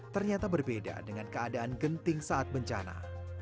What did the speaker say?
ternyata berbeda dengan keadaan genting saat bencana